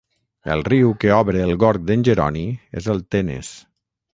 El riu que obre el Gorg d'en Jeroni és el Tenes.